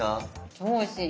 超おいしい。